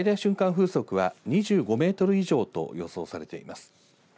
風速は２５メートル以上と予想されています。